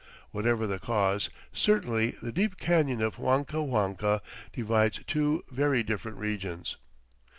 Whatever the cause, certainly the deep canyon of Huancahuanca divides two very different regions.